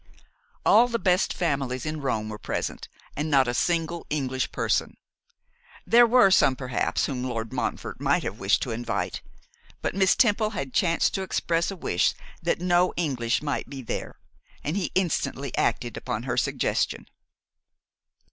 All the best families in Rome were present, and not a single English person. There were some perhaps, whom Lord Montfort might have wished to invite, but Miss Temple had chanced to express a wish that no English might be there, and he instantly acted upon her suggestion.